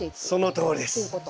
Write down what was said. そのとおりです。